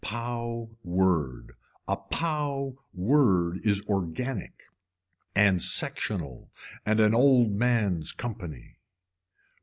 Pow word, a pow word is organic and sectional and an old man's company.